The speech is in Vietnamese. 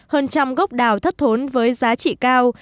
hơn trăm gốc đào thất thốn với giá trị cao